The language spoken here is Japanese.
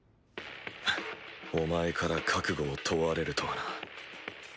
フッお前から覚悟を問われるとはな。